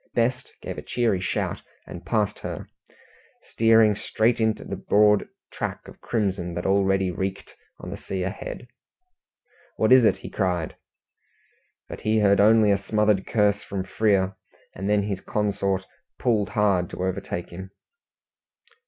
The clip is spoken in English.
Best gave a cheery shout and passed her, steering straight into the broad track of crimson that already reeked on the sea ahead. "What is it?" he cried. But he heard only a smothered curse from Frere, and then his consort pulled hard to overtake him.